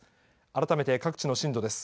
改めて各地の震度です。